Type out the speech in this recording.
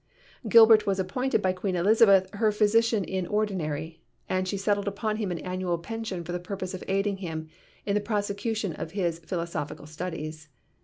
Gilbert was appointed by Queen Elizabeth her physician in ordinary, and she settled upon him an annual pension for the purpose of aiding him in the prosecution of his philosophical studies.